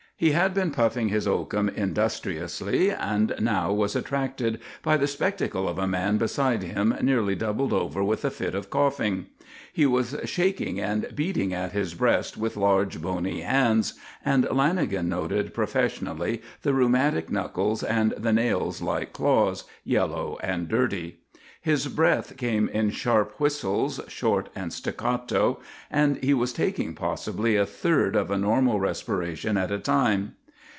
He had been puffing his oakum industriously, and now was attracted by the spectacle of a man beside him nearly doubled over with a fit of coughing. He was shaking and beating at his breast with large, bony hands, and Lanagan noted professionally the rheumatic knuckles and the nails like claws, yellow and dirty. His breath came in sharp whistles, short and staccato, and he was taking possibly a third of a normal respiration at a time.